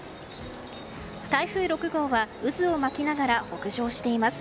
台風６号は渦を巻きながら北上しています。